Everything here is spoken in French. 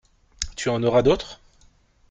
Tu en auras d’autres ?